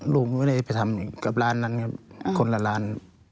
ลุงไม่ได้ไปทำกับร้านนั้นครับคนละร้าน